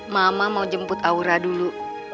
mama mau jemput aura dulu